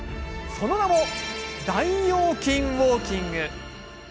その名も大腰筋ウォーキング。